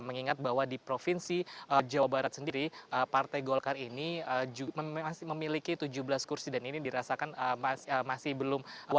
mengingat bahwa di provinsi jawa barat sendiri partai golkar ini masih memiliki tujuh belas kursi dan ini dirasakan masih belum